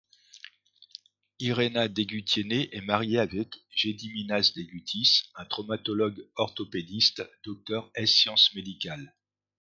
Irena Degutienė est mariée avec Gediminas Degutis, un traumatologue orthopédiste, docteur ès sciences médicales.